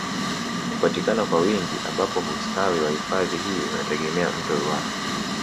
Hupatikana kwa wingi ambapo hustawi wa hifadhi hii unategemea mto ruaha